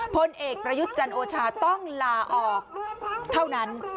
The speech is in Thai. พลเอกประยุทธ์จันโอชาต้องลาออกเท่านั้น